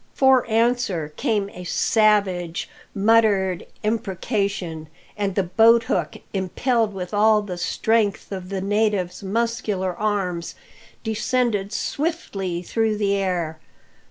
For answer came a savage, muttered imprecation; and the boathook, impelled with all the strength of the native's muscular arms, descended swiftly through the air.